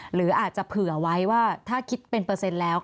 หรืออาจจะเผื่อไว้ว่าถ้าคิดเป็นเปอร์เซ็นต์แล้ว